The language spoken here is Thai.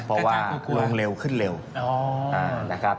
เพราะว่าลงเร็วขึ้นเร็วนะครับ